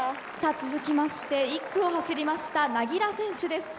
続きまして１区を走りました柳樂選手です。